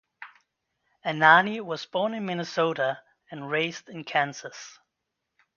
Anani was born in Minnesota and raised in Kansas.